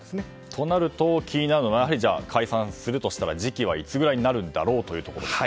となると気になるのがやはり解散するとしたら時期はいつぐらいになるんだろうというところですね。